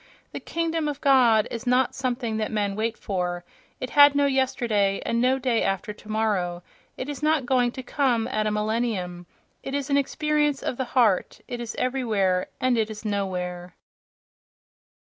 The "kingdom of God" is not something that men wait for: it had no yesterday and no day after tomorrow, it is not going to come at a "millennium"—it is an experience of the heart, it is everywhere and it is nowhere....